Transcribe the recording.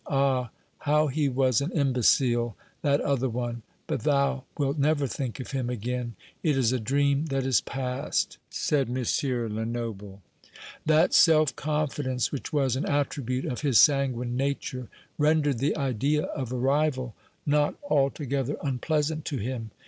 Ah, how he was an imbecile, that other one! But thou wilt never think of him again; it is a dream that is past," said M. Lenoble. That self confidence which was an attribute of his sanguine nature rendered the idea of a rival not altogether unpleasant to him.